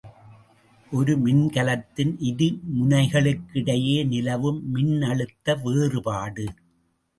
ஒரு மின்கலத்தின் இருமுனைகளுக்கிடையே நிலவும் மின்னழுத்த வேறுபாடு.